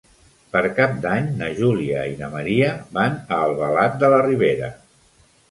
Per Cap d'Any na Júlia i na Maria van a Albalat de la Ribera.